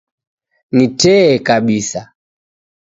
Ni tee kabisa.